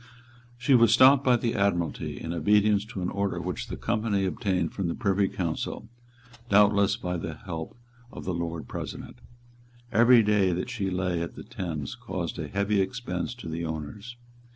She was stopped by the Admiralty, in obedience to an order which the Company obtained from the Privy Council, doubtless by the help of the Lord President. Every day that she lay in the Thames caused a heavy expense to the owners.